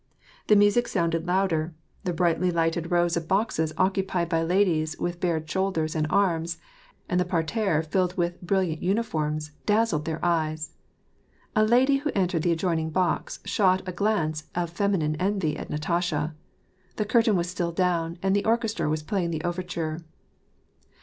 The music sounded louder, the brightly lighted V0i^2.— 22. S38 ^^^^^^ PEACE. rows of boxes occupied by ladies with bared shoulders and arms, and the parterre filled with brilliant uniforms, dazzled their eyes. A lady who entered the adjoining box shot a glance of feminine envy at Natasha. The curtain was still down, and the orchestra was playing the overture.